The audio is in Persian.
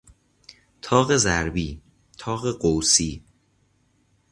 تاق ضربی، تاق قوسی